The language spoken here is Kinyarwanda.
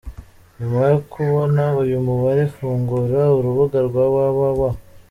Nyuma yo kubona uyu mubare, fungura urubuga rwa www.